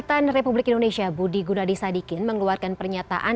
kesehatan republik indonesia budi gunadisadikin mengeluarkan pernyataan